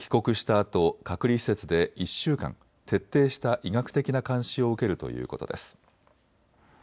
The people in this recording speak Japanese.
あと隔離施設で１週間、徹底した医学的な監視を受けるということです。